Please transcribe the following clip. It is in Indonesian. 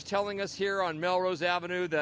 pemilik toko berkata di melrose avenue